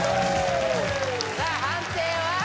さあ判定は？